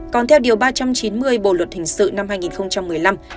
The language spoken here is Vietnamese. còn theo điều ba trăm chín mươi bộ luật hình sự năm hai nghìn một mươi năm